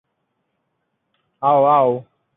该雕像亦是美国首座李小龙纪念雕像。